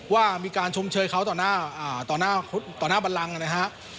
ว่ามีการชมเชยเขาต่อหน้าบันรังนะครับ